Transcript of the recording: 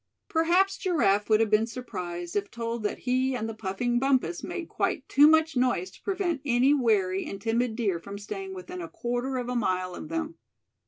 Perhaps Giraffe would have been surprised if told that he and the puffing Bumpus made quite too much noise to prevent any wary and timid deer from staying within a quarter of a mile of them.